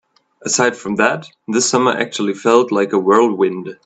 Aside from that, this summer actually felt like a whirlwind.